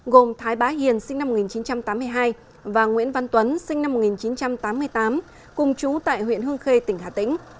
gồm thái bá hiền sinh năm một nghìn chín trăm tám mươi hai và nguyễn văn tuấn sinh năm một nghìn chín trăm tám mươi tám cùng chú tại huyện hương khê tỉnh hà tĩnh